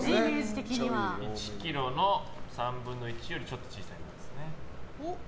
１ｋｇの３分の１よりちょっと小さいくらいです。